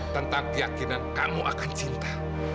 tentang keyakinan kamu akan cinta